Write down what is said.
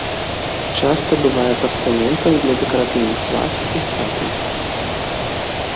Часта бывае пастаментам для дэкаратыўных ваз і статуй.